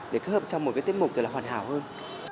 để kết hợp cho một tiết mục rất là hoàn hảo hơn